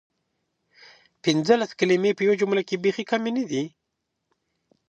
پنځلس کلمې په یوې جملې کې بیخې کمې ندي؟!